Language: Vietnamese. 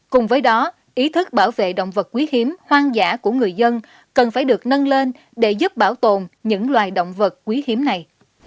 cùng với đó ý thức bảo vệ động vật quý hiếm hoang dã của người dân cần phải được nâng lên để giúp bảo tồn những loài động vật quý hiếm này